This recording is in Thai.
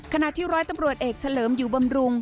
ขณะที่ร้อยตำรวจเอกเฉลิมอยู่บำรุง